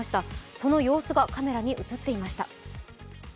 その様子がカメラに映っていました。